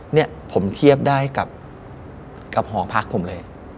เนี่ยผมเทียบได้กับหอพักผมเลย